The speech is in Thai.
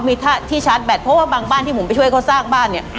มีที่ชาร์จแบตเพราะว่าบางบ้านที่ผมไปช่วยเขาสร้างบ้านเนี่ย